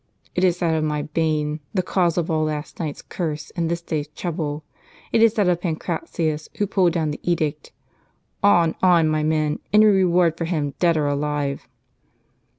It is that of my bane, the cause of all last night's curse and this day's trouble. It is that of Pancratius, who pulled down the edict. On, on, my men ; any reward for him, dead or alive